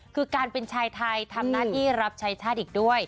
คือการเป็นชายไทยทำหน้าที่รับใช้ชาติอีกด้วย